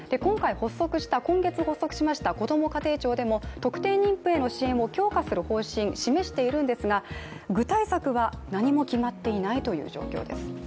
今月発足しました、こども家庭庁でも特定妊婦への支援を強化する方針を示しているんですが、具体策は何も決まっていないという状況です。